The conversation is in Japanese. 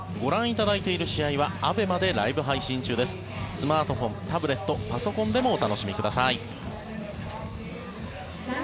スマートフォン、タブレットパソコンでもお楽しみください。